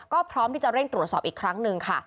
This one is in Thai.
ก็พร้อมที่จะเร่งตรวจสอบอีกครั้งหนึ่งค่ะ